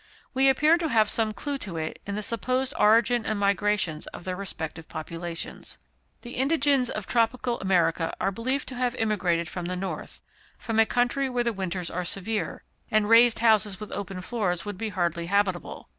We appear to have some clue to it in the supposed origin and migrations of their respective populations. The indigenes of tropical America are believed to have immigrated from the north from a country where the winters are severe, and raised houses with open floors would be hardly habitable.